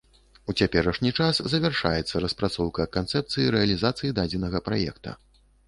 У цяперашні час завяршаецца распрацоўка канцэпцыі рэалізацыі дадзенага праекта.